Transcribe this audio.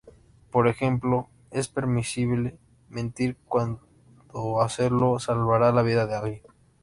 Por ejemplo, es permisible mentir cuando hacerlo salvará la vida de alguien.